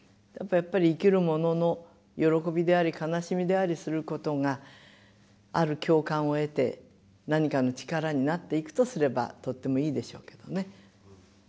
やっぱり生きる者の喜びであり悲しみでありすることがある共感を得て何かの力になっていくとすればとってもいいでしょうけどね。